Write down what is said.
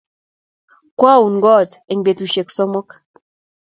Kwaun kot eng' petusyek somok